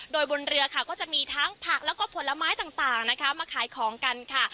โดยบนเรือค่ะก็จะมีทั้งผักแล้วก็ผลไม้ต่างนะคะมาขายของกันค่ะ